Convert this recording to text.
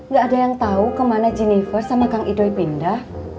gak ada yang tahu kemana jennifer sama kang edoy pindah